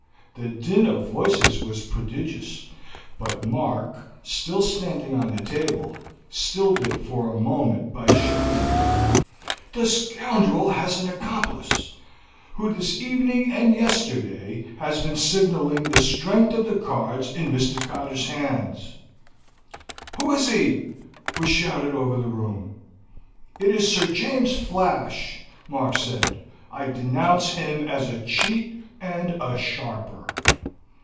The din of voices was prodigious, but Mark, still standing on the table, stilled it for a moment by shouting: "The scoundrel has an accomplice, who this evening and yesterday has been signaling the strength of the cards in Mr. Cotter's hands." "Who is he?" was shouted over the room. "It is Sir James Flash," Mark said. "I denounce him as a cheat and a sharper."